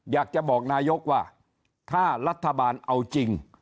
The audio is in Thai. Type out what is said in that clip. อยากจะบอกนายกว่าถ้ารัฐบาลเอาจริง